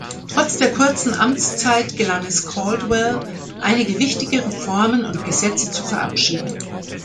Trotz der kurzen Amtszeit gelang es Caldwell, einige wichtige Reformen und Gesetze zu verabschieden.